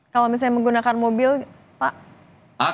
kalau misalnya menggunakan mobil pak